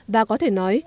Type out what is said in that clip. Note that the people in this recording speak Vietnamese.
và có thể nói